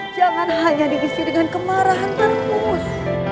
jangan hanya diisi dengan kemarahan terus